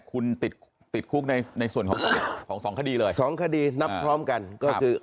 คุณติดติดคุกในในส่วนของของสองคดีเลยสองคดีนับพร้อมกันก็คือ